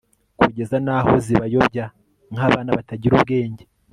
kugeza n'aho zibayobya nk'abana batagira ubwenge